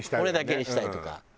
骨だけにしたいとか。